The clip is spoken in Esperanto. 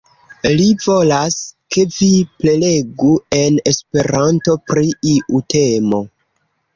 Li volas, ke vi prelegu en Esperanto pri iu temo.